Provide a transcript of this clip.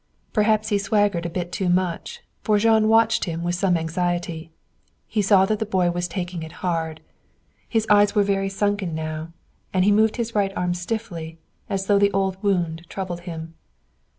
Perhaps he swaggered a bit too much, for Jean watched him with some anxiety. He saw that the boy was taking it hard. His eyes were very sunken now, and he moved his right arm stiffly, as though the old wound troubled him.